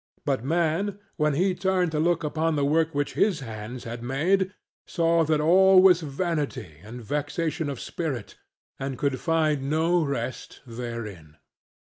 But man, when he turned to look upon the work which his hands had made, saw that all was vanity and vexation of spirit, and could find no rest therein.